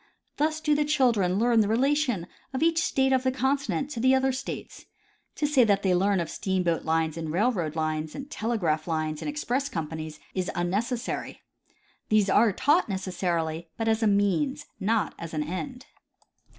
Thus do the children learn the rela tion of each state of the continent to the other states. To say that they learn of steamboat lines and railroad lines, and tele graph lines and express companies, is unnecessary. These are taught necessarily, but as a means, not as an end.